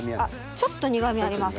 ちょっと苦味あります。